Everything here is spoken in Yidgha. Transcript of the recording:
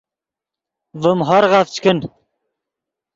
ڤیم ہورغف چے کن